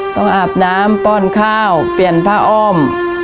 อาบน้ำป้อนข้าวเปลี่ยนผ้าอ้อม